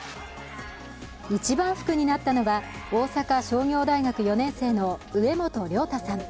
一番福になったのは大阪商業大学４年生の植本亮太さん。